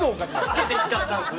着けてきちゃった。